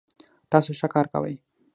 تاسو ښه کار کوئ